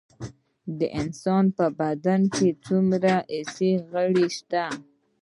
د انسان په بدن کې څو حسي غړي شته